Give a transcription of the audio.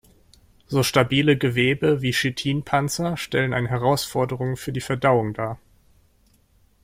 So stabile Gewebe wie Chitinpanzer stellen eine Herausforderung für die Verdauung dar.